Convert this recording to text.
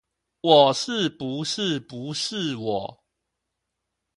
我是不是不是我？